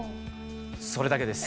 それだけです。